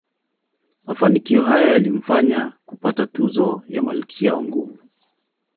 Mafanikio hayo yalimfanya kupata tuzo ya malkia wa nguvu